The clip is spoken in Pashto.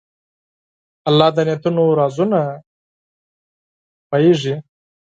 الله د نیتونو رازونه پوهېږي.